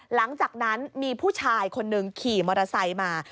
หลังจากนั้นมีผู้ชายคนหนึ่งขี่มอเตอร์ไซค์มา